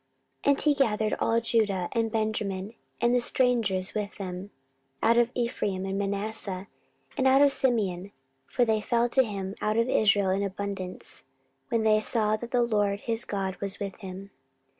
14:015:009 And he gathered all Judah and Benjamin, and the strangers with them out of Ephraim and Manasseh, and out of Simeon: for they fell to him out of Israel in abundance, when they saw that the LORD his God was with him.